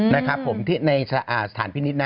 นะครับผมที่ในสถานพินิษฐนะ